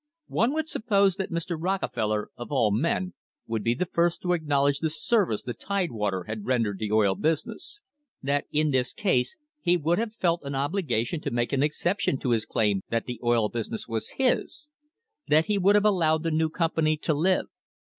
One would suppose that Mr. Rockefeller, of all men, would be the first to acknowledge the service the Tidewater had rendered the oil business ; that in this case he would have felt an obligation to make an excep tion to his claim that the oil business was his ; that he would have allowed the new company to live.